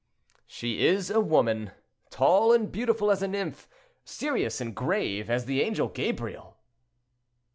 "She is a woman, tall and beautiful as a nymph, serious and grave as the angel Gabriel!"